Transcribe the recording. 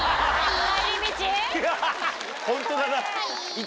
ホントだな。